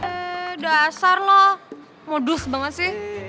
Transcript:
eh dasar loh modus banget sih